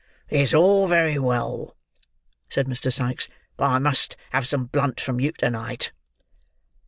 "It's all very well," said Mr. Sikes; "but I must have some blunt from you to night."